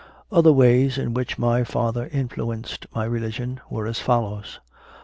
Other ways in which my father influenced my religion were as follows.